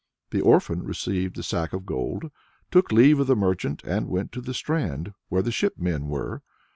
The orphan received the sack of gold, took leave of the merchant, and went to the strand, where the shipmen were.